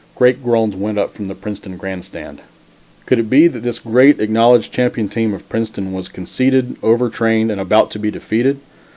Great groans went up from the Princeton grandstand. Could it be that this great acknowledged champion team of Princeton was conceited, over trained and about to be defeated?